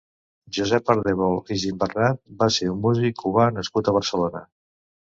Josep Ardèvol i Gimbernat va ser un músic cubà nascut a Barcelona.